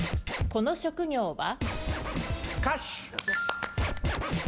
この職業は？